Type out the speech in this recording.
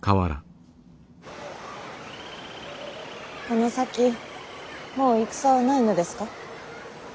この先もう戦はないのですか？